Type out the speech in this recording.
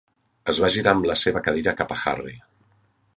Es va girar amb la seva cadira cap a Harry.